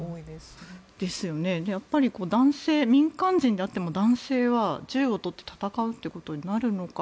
男性、民間人であっても男性は銃を取って戦うことになるのか。